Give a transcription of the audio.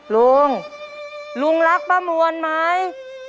ลุงลุงรักป้ามวลไหม